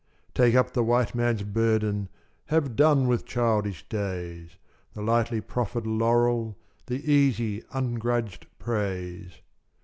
Take up the White Man's burden Have done with childish days The lightly proffered laurel The easy, ungrudged praise.